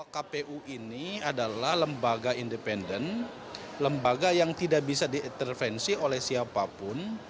kpu ini adalah lembaga independen lembaga yang tidak bisa diintervensi oleh siapapun